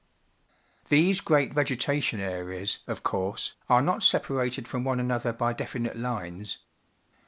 These great vegetation areas, of course, are not separated from one another by definite lines.